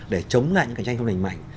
để chống lại những cạnh tranh không đánh mạnh